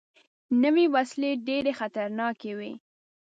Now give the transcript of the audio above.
نوې وسلې ډېرې خطرناکې وي